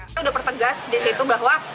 saya sudah pertegas di situ bahwa